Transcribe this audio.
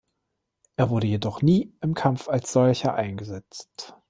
Er wurde jedoch nie im Kampf als solcher eingesetzt.